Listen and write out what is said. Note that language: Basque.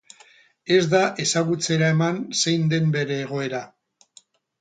Ez da ezagutzera eman zein den bere egoera.